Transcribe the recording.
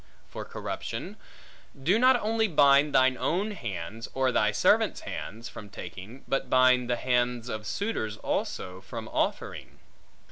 For corruption: do not only bind thine own hands, or thy servants' hands, from taking, but bind the hands of suitors also, from offering.